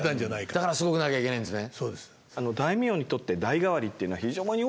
だからすごくなきゃいけないんですね。